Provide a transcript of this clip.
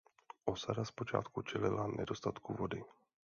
Osada zpočátku čelila nedostatku vody.